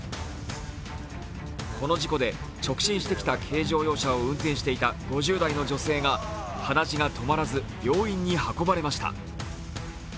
この事故で直進してきた軽乗用車を運転していた５０代の女性が、鼻血が止まらず病院に運ばれました。